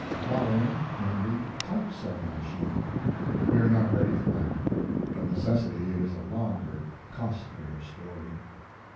Following came the type setting machine, but we are not ready for that. Of necessity it is a longer, costlier story.